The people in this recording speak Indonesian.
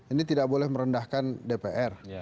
ini tidak boleh merendahkan dpr